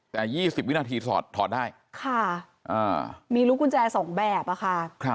แต่๒๐วินาทีถอดถอดได้ค่ะมีลูกกุญแจ๒แบบอะค่ะ